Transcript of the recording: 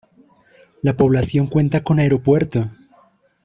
La población cuenta con aeropuerto.